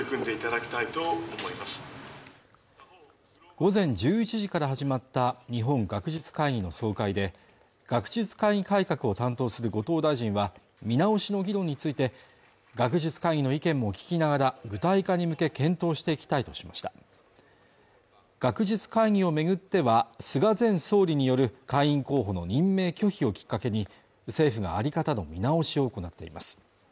午前１１時から始まった日本学術会議の総会で学術会議改革を担当する後藤大臣は見直しの議論について学術会議の意見も聞きながら具体化に向け検討していきたいとしました学術会議をめぐっては菅前総理による会員候補の任命拒否をきっかけに政府が在り方の見直しを行っています